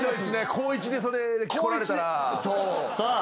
高１でそれで来られたら。